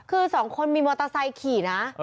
คือสองคนมีมอเตอร์ไซค์ขี่นะ